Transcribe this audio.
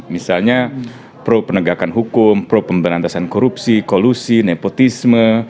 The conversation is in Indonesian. misalnya pro penegakan hukum pro pemberantasan korupsi kolusi nepotisme